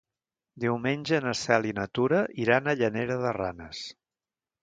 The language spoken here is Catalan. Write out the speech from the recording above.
Diumenge na Cel i na Tura iran a Llanera de Ranes.